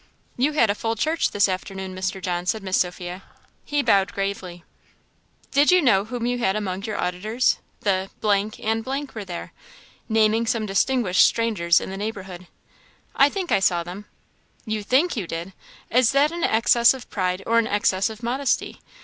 "You had a full church this afternoon, Mr. John," said Miss Sophia. He bowed gravely. "Did you know whom you had among your auditors? the and were there;" naming some distinguished strangers in the neighbourhood. "I think I saw them." "You 'think' you did! Is that an excess of pride or an excess of modesty?